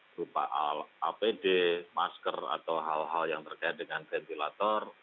berupa apd masker atau hal hal yang terkait dengan ventilator